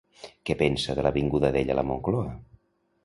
Què pensa de la vinguda d'ell a la Moncloa?